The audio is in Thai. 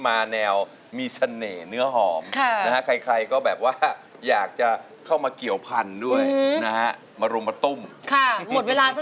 มาเลยค่ะไม่ได้นะครับไม่